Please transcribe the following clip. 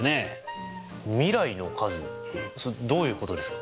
どういうことですか？